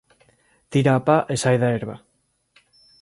Tira a pa, e sae da herba!”